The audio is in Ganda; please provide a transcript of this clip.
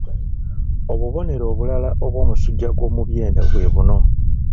Obubonero obulala obw'omusujja gw'omu byenda bwe buno